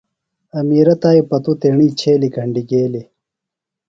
امیرہ تائیۡ پتو تیݨی چھیلیۡ گھنڈیۡ گیلیۡ۔